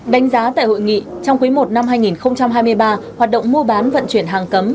đánh giá tại hội nghị trong quý i năm hai nghìn hai mươi ba hoạt động mua bán vận chuyển hàng cấm